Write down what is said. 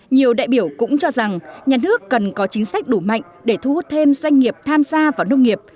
nhiều đại biểu cũng cho rằng nhà nước cần có chính sách đủ mạnh để thu hút thêm doanh nghiệp tham gia vào nông nghiệp